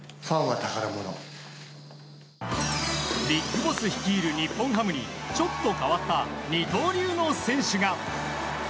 ビッグボス率いる日本ハムにちょっと変わった二刀流の選手が。